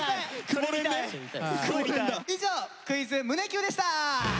以上「クイズ胸Ｑ」でした。